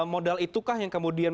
modal itukah yang kemudian